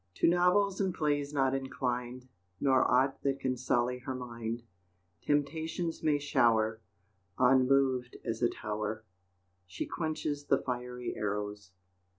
To novels and plays not inclined, Nor aught that can sully her mind; Temptations may shower, Unmoved as a tower, She quenches the fiery arrows.